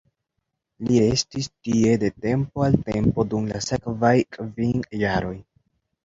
Li restis tie de tempo al tempo dum la sekvaj kvin jaroj.